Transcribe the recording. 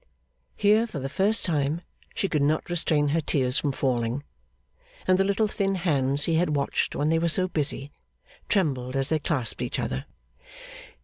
Here for the first time she could not restrain her tears from falling; and the little thin hands he had watched when they were so busy, trembled as they clasped each other.